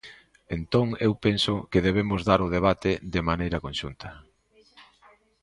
Entón eu penso que debemos dar o debate de maneira conxunta.